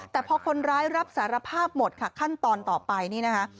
แต่พอคนร้ายรับสารภาพหมดค่ะขั้นตอนต่อไปนี่นะคะ